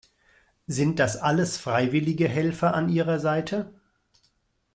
Sind das alles freiwillige Helfer an ihrer Seite?